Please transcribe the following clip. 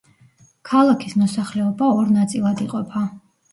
ქალაქის მოსახლეობა ორ ნაწილად იყოფა.